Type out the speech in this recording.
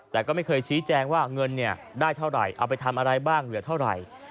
แต่ก็ไม่เคยชี้แจงว่าเงินเนี่ยได้เท่าไหร่เอาไปทำอะไรบ้างเหลือเท่าไหร่